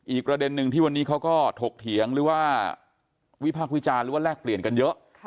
อีกประเด็นหนึ่งที่วันนี้เขาก็ถกเถียงหรือว่าวิพากษ์วิจารณ์หรือว่าแลกเปลี่ยนกันเยอะ